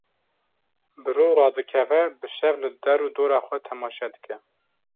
Bi ro radikeve bi şev li der û dora xwe temaşe dike.